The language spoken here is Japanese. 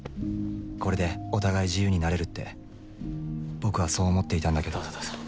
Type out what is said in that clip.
これでお互い自由になれるって僕はそう思っていたんだけど。